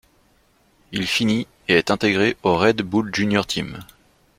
Il finit et est intégré au Red Bull Junior Team.